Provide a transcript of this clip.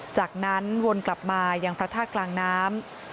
จากนั้นวนกลับมายังพระธาตุกลางน้ำ